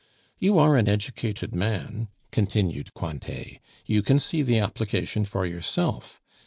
You are an educated man," continued Cointet; "you can see the application for yourself.